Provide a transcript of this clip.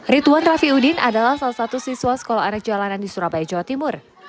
rituan rafi udin adalah salah satu siswa sekolah anak jalanan di surabaya jawa timur